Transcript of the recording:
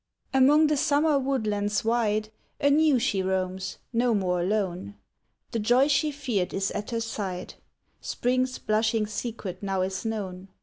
Among the summer woodlands wide Anew she roams, no more alone; The joy she feared is at her side, Spring's blushing secret now is known.